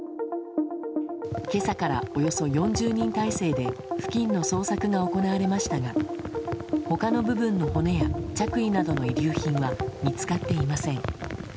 今朝からおよそ４０人態勢で付近の捜索が行われましたが他の部分の骨や着衣などの遺留品は見つかっていません。